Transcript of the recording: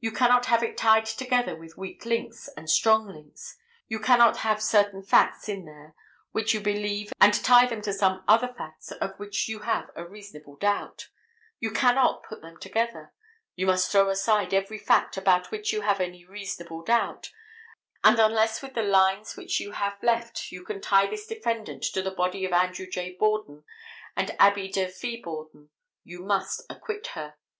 You cannot have it tied together with weak links and strong links. You cannot have certain facts in there which you believe and tie them to some other facts of which you have a reasonable doubt. You cannot put them together. You must throw aside every fact about which you have any reasonable doubt, and unless with the lines which you have left you can tie this defendant to the body of Andrew J. Borden and Abby Durfee Borden, you must acquit her.